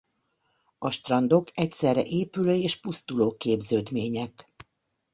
A strandok egyszerre épülő és pusztuló képződmények.